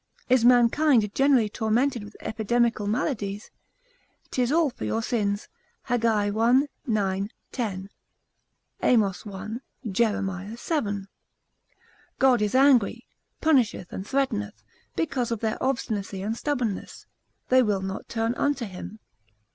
is mankind generally tormented with epidemical maladies? 'tis all for your sins, Hag. i. 9, 10; Amos i.; Jer. vii. God is angry, punisheth and threateneth, because of their obstinacy and stubbornness, they will not turn unto him.